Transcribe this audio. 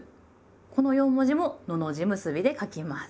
この四文字ものの字結びで書きます。